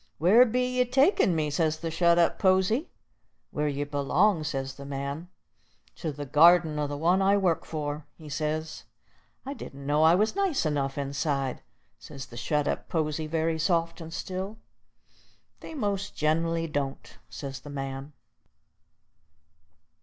"Where be ye takin' me?" says the shet up posy. "Where ye belong," says the man; "to the gardin o' the one I work for," he says. "I didn't know I was nice enough inside," says the shet up posy, very soft and still. "They most gen'ally don't," says the man.